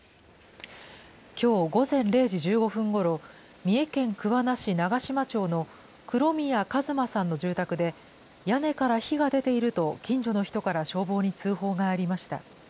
きょう午前０時１５分ごろ、三重県桑名市長島町の黒宮一馬さんの住宅で、屋根から火が出ていると近所の人から消防に通報がありました。